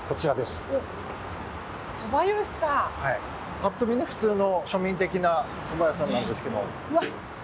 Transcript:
パッと見、普通の庶民的なおそば屋さんなんですけど。